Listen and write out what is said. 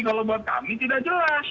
kalau buat kami tidak jelas